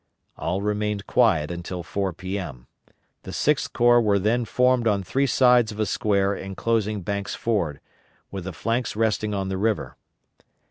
All remained quiet until 4 P.M. The Sixth Corps were then formed on three sides of a square inclosing Banks' Ford, with the flanks resting on the river.